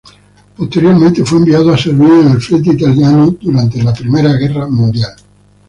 Posteriormente fue enviado a servir en el frente italiano durante la Primera Guerra Mundial.